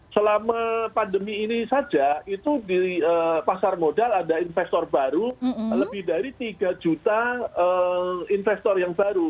selama pandemi ini saja itu di pasar modal ada investor baru lebih dari tiga juta investor yang baru